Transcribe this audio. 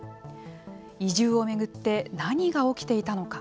移住をめぐって何が起きていたのか。